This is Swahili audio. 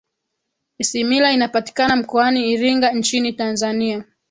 isimila inapatika mkoani iringa nchini tanzania